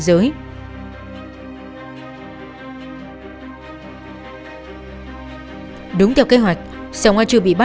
đối tượng đã